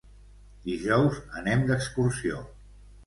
Dijous anem d'excursió.